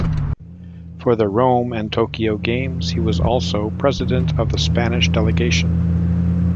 For the Rome and Tokyo Games, he was also President of the Spanish delegation.